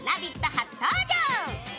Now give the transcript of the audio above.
初登場。